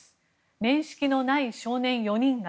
面識のない少年４人が。